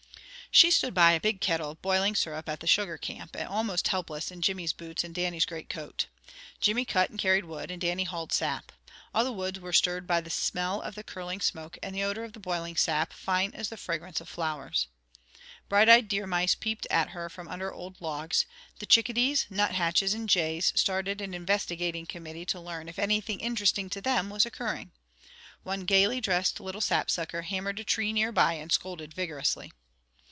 She stood by a big kettle of boiling syrup at the sugar camp, almost helpless in Jimmy's boots and Dannie's great coat. Jimmy cut and carried wood, and Dannie hauled sap. All the woods were stirred by the smell of the curling smoke and the odor of the boiling sap, fine as the fragrance of flowers. Bright eyed deer mice peeped at her from under old logs, the chickadees, nuthatches, and jays started an investigating committee to learn if anything interesting to them was occurring. One gayly dressed little sapsucker hammered a tree near by and scolded vigorously.